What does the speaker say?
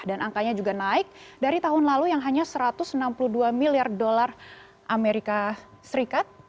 dan angkanya juga naik dari tahun lalu yang hanya satu ratus enam puluh dua miliar dolar amerika serikat